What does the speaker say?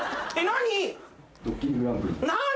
何？